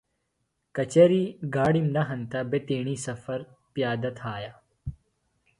کچریۡ گاڑِم نہ ہینتہ بےۡ تیݨی سفر پیادہ تھایہ۔